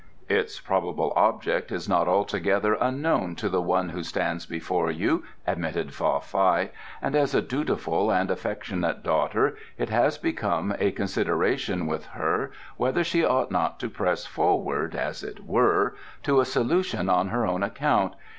"Its probable object is not altogether unknown to the one who stands before you," admitted Fa Fai, "and as a dutiful and affectionate daughter it has become a consideration with her whether she ought not to press forward, as it were, to a solution on her own account.